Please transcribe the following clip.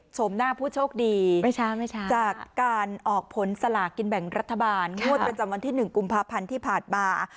หน้าผู้โชคดีจากการออกผลสลากินแบ่งรัฐบาลงวดประจำวันที่๑กุมภาพันธ์ที่ผ่านมา